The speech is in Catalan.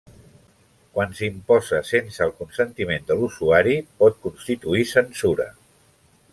Quan s'imposa sense el consentiment de l'usuari, pot constituir censura.